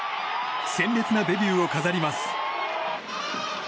鮮烈なデビューを飾ります。